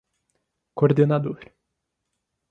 coordenador